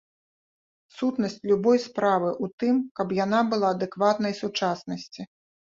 Сутнасць любой справы ў тым, каб яна была адэкватнай сучаснасці.